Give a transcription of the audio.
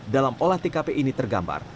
dalam olah tkp ini tergambar